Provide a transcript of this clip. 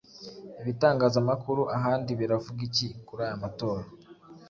Ibitangazamakuru ahandi biravuga iki kuri aya matora